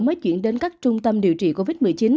mới chuyển đến các trung tâm điều trị covid một mươi chín